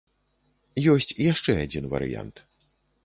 Ёсць яшчэ адзін варыянт.